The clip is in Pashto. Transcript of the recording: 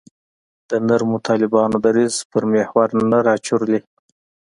د نرمو طالبانو دریځ پر محور نه راچورلي.